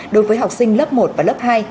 đối với học sinh lớp một và lớp hai